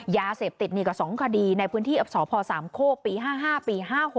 ยาเสพติดนี่กว่า๒คดีในพื้นที่กับสพสามโคกปี๕๕ปี๕๖